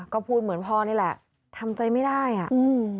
ก็พูดเหมือนพ่อนี่แหละทำใจไม่ได้อ่ะอืม